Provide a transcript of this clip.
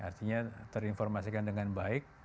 artinya terinformasikan dengan baik